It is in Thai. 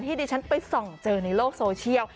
ดิฉันไปส่องเจอในโลกโซเชียล